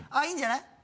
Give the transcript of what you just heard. いいんじゃない？